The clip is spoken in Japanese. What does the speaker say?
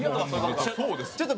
ちょっと。